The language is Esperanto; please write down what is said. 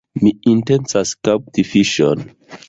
Mi intencas kapti fiŝon.